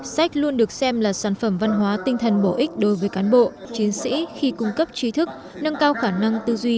sách luôn được xem là sản phẩm văn hóa tinh thần bổ ích đối với cán bộ chiến sĩ khi cung cấp trí thức nâng cao khả năng tư duy